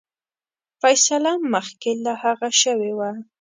فیصله مخکي له هغه شوې وه.